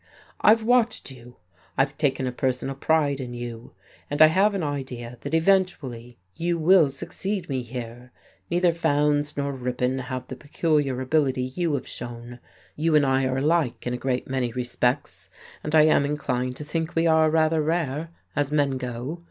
"I've watched you, I've taken a personal pride in you, and I have an idea that eventually you will succeed me here neither Fowndes nor Ripon have the peculiar ability you have shown. You and I are alike in a great many respects, and I am inclined to think we are rather rare, as men go.